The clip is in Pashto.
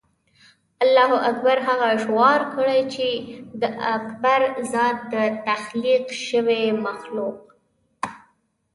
الله اکبر هغه شعار کړي چې د اکبر ذات د تخلیق شوي مخلوق.